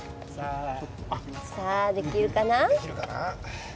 さあ、できるかな。